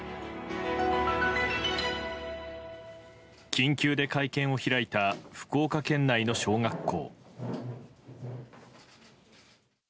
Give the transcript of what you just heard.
緊急で会見を開いた福岡県内の小学校。